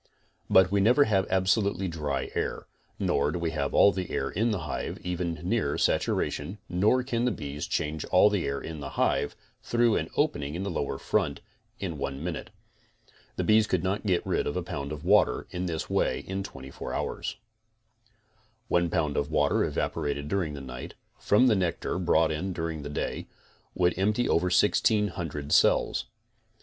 But we never have absolutely dry air, nor do we have all the air in the hive even near saturation, nor can the bees change all the air in the hive, through an opening in the lower front, in one min ute. The bees could not get rid of a pound of water this way in 24 hours. One pound of water evaporated during the night, from the nectar brought in during the day, would empty over 1600 cells.